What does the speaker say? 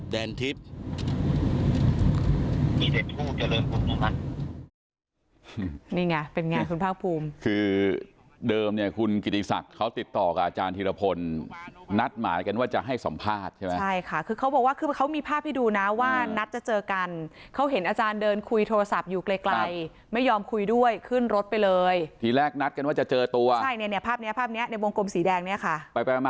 เดิมเนี่ยคุณกิติศักดิ์เขาติดต่อกับอาจารย์ธิรพลนัดหมากันว่าจะให้สัมภาษณ์ใช่ไหมค่ะคือเขาบอกว่าคือเขามีภาพให้ดูนะว่านัดจะเจอกันเขาเห็นอาจารย์เดินคุยโทรศัพท์อยู่ไกลไม่ยอมคุยด้วยขึ้นรถไปเลยที่แรกนัดกันว่าจะเจอตัวใช่เนี่ยภาพเนี่ยภาพเนี่ยในวงกลมสีแดงเนี่ยค่ะ